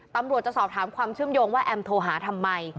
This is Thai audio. จะสอบถามความเชื่อมโยงว่าแอมโทรหาทำไม